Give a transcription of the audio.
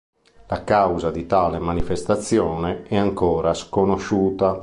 La causa di tale manifestazione è ancora sconosciuta.